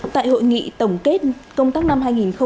tại hội nghị tổng kết công tác năm hai nghìn hai mươi hai